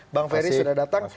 bang ferry sudah datang